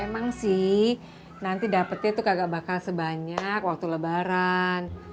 emang sih nanti dapetnya tuh kagak bakal sebanyak waktu lebaran